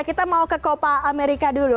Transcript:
kita mau ke copa amerika dulu